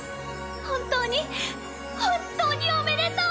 本当に本当におめでとう！